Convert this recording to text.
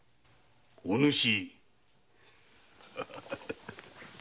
お主！